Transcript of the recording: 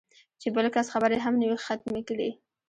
چې بل کس خبرې هم نه وي ختمې کړې